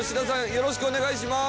よろしくお願いします。